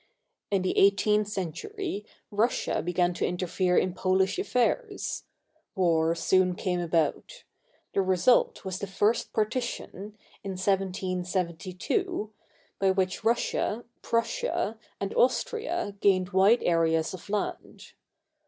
In the eighteenth century Russia began to interfere in Pol ish affairs. War soon came about. The result was the First Partition, in 1772, by which Russia, Prussia, and Austria gained wide areas of land.